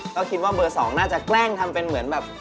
ก็คิดว่าเบอร์๒น่าจะแกล้งทำเป็นเหมือนแบบ